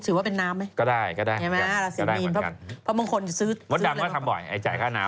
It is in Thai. ถือว่าเป็นน้ำไม